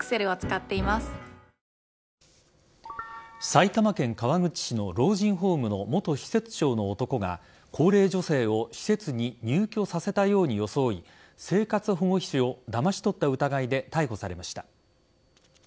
埼玉県川口市の老人ホームの元施設長の男が高齢女性を施設に入居させたように装い生活保護費をだまし取った疑いで逮捕されました。